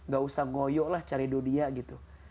gak usah ngoyok lah cari dunia gitu